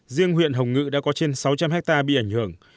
riêng huyện hồng ngự đã có trên sáu trăm linh hectare bị ảnh hưởng